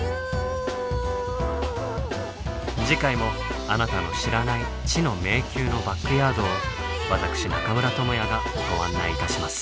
次回もあなたの知らない「知の迷宮」のバックヤードを私中村倫也がご案内いたします。